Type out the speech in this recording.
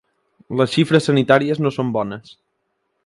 Les xifres sanitàries no són bones.